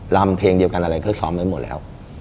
ลำเพลงเดียวกันอะไรก็ซ้อมไว้หมดแล้ว